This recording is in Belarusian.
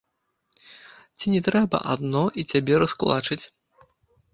Ці не трэба адно і цябе раскулачыць?